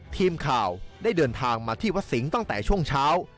ทีมข่าวได้เดินทางมาที่วัดสิงห์ตั้งแต่ช่วงเช้า